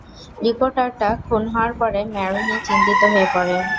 রিপোর্টারটা খুন হওয়ার পরে ম্যারোনি চিন্তিত হয়ে পড়ে।